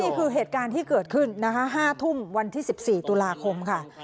นี่คือเหตุการณ์ที่เกิดขึ้นนะคะ๕ทุ่มวันที่๑๔ตุลาคมค่ะ